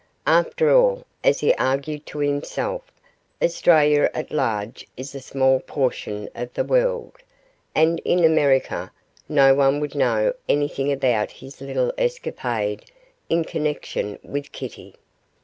After all, as he argued to himself, Australia at large is a small portion of the world, and in America no one would know anything about his little escapade in connection with Kitty.